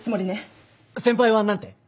先輩は何て？